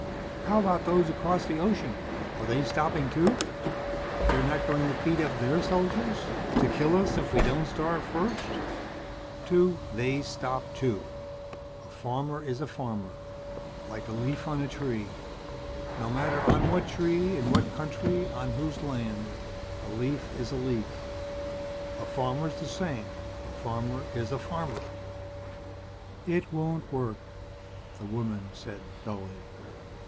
"How about those across the ocean? Are they stopping, too? They're not going to feed up their soldiers? To kill us if we don't starve first? To " "They stopped, too. A farmer is a farmer. Like a leaf on a tree. No matter on what tree in what country on whose land. A leaf is a leaf. A farmer's the same. A farmer is a farmer." "It won't work," the woman said dully.